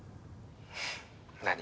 「何？」